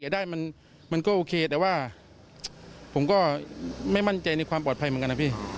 ได้มันก็โอเคแต่ว่าผมก็ไม่มั่นใจในความปลอดภัยเหมือนกันนะพี่